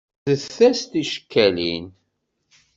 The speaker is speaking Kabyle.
Rret-as ticekkalin.